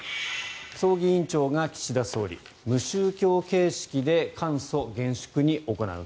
葬儀委員長が岸田総理無宗教形式で簡素・厳粛に行う。